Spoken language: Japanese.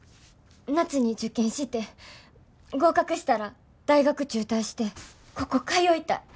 夏に受験して合格したら大学中退してここ通いたい。